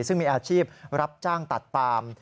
ซึ่งมีอาชีพรับจ้างตัดปาม